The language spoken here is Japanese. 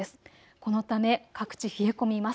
このため各地、冷え込みます。